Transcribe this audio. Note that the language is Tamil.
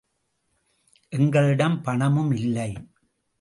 எங்களிடம் பணமும் இல்லை.